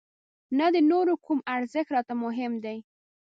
نه د نورو کوم ارزښت راته مهم دی.